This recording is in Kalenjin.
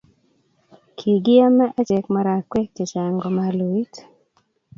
kigaiame ache marakwek chechang komaloit